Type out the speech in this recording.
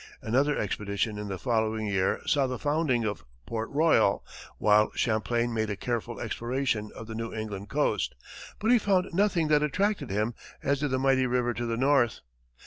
Another expedition in the following year saw the founding of Port Royal, while Champlain made a careful exploration of the New England coast, but he found nothing that attracted him as did the mighty river to the north.